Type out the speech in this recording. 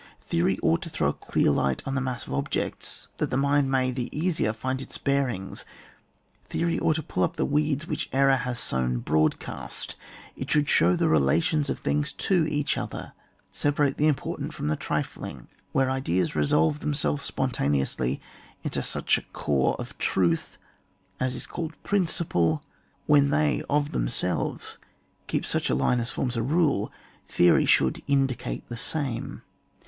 Theory ought to throw a clear light on the mass of objects, that the mind may the easier find its bearings; theory ought to pull up the weeds which error has sown broadcast ; it should show the relations of things to each other, separate the important from the trifling. Where ideas resolve themselves spon taneously into such a core of Truth as is called Principle, when they of themselves keep such a line as forms a rule, Theory should indicate the same.